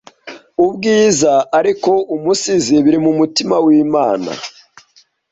ubwiza ariko umusizi biri mumutima wimana